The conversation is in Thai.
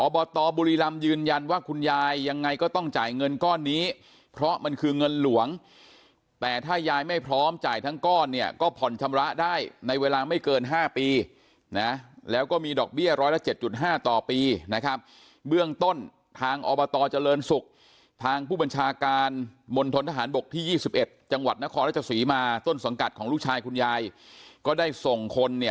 บตบุรีรำยืนยันว่าคุณยายยังไงก็ต้องจ่ายเงินก้อนนี้เพราะมันคือเงินหลวงแต่ถ้ายายไม่พร้อมจ่ายทั้งก้อนเนี่ยก็ผ่อนชำระได้ในเวลาไม่เกิน๕ปีนะแล้วก็มีดอกเบี้ยร้อยละ๗๕ต่อปีนะครับเบื้องต้นทางอบตเจริญศุกร์ทางผู้บัญชาการมณฑนทหารบกที่๒๑จังหวัดนครราชศรีมาต้นสังกัดของลูกชายคุณยายก็ได้ส่งคนเนี่ย